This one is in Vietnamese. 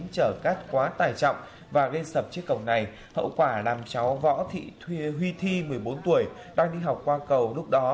chở cát quá tài trọng và gây sập chiếc cầu này hậu quả làm cháu võ thị thuy huy thi một mươi bốn tuổi đang đi học qua cầu lúc đó